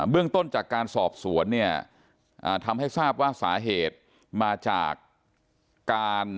เบื้องต้นจากการสอบสวนทำให้ทราบว่าสาเหตุมาจาก